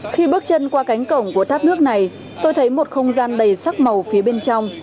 khi bước chân qua cánh cổng của tháp nước này tôi thấy một không gian đầy sắc màu phía bên trong